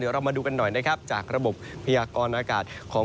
เรามาดูกันหน่อยนะครับจากระบบพยากรอากาศของ